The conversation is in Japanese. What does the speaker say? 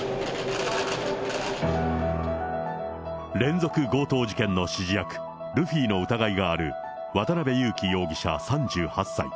連続強盗事件の指示役、ルフィの疑いがある渡辺優樹容疑者３８歳。